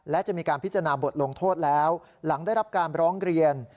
และจะมีการพิจารณาบทลงโทษแล้วหลังได้รับการร้องเรียน